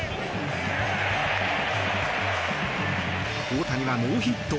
大谷はノーヒット。